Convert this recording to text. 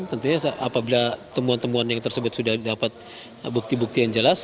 tentunya apabila temuan temuan yang tersebut sudah dapat bukti bukti yang jelas